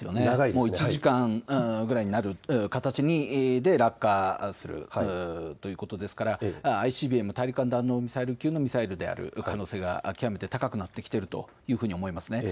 もう１時間ぐらいになる形で落下するということですからＩＣＢＭ・大陸間弾道ミサイル級のミサイルであるという可能性が極めて高くなってきているというふうに思います。